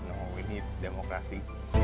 nah ini demokrasi